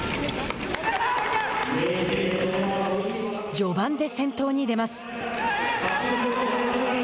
序盤で先頭に出ます。